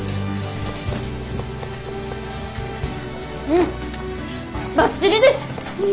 うんばっちりです！